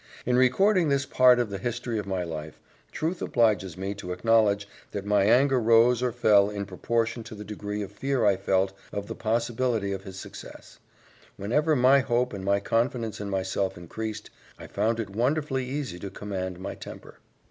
In recording this part of the history of my life, truth obliges me to acknowledge that my anger rose or fell in proportion to the degree of fear I felt of the possibility of his success; whenever my hope and my confidence in myself increased, I found it wonderfully easy to command my temper.